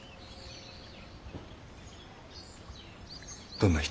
どんな人？